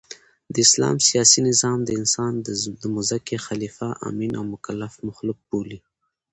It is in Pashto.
د اسلام سیاسي نظام انسان د مځکي خلیفه، امین او مکلف مخلوق بولي.